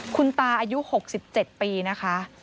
คุณตาอายุ๖๗ปีนะคะ